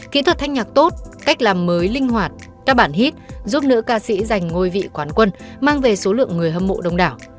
kỹ thuật thanh nhạc tốt cách làm mới linh hoạt các bản hít giúp nữ ca sĩ giành ngôi vị quán quân mang về số lượng người hâm mộ đông đảo